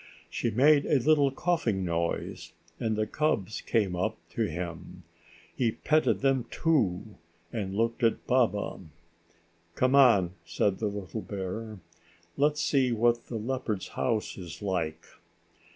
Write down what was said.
She made a little coughing noise and the cubs came up to him. He petted them, too, and looked at Baba. "Come on," said the little bear, "let's see what the leopard's house is like."